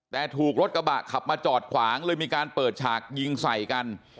แต่ถูกรถกระบะขับมาจอดขวางเลยมีการเปิดฉากยิงใส่กัน